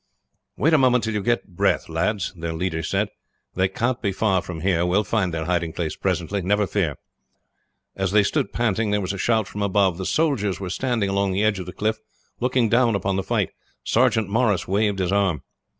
"Wait a moment till you get breath, lads," their leader said. "They can't be far from here. We will find their hiding place presently, never fear." As they stood panting there was a shout from above. The soldiers were standing along the edge of the cliff, looking down upon the fight. Sergeant Morris waved his arm.